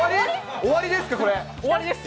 終わりですよ。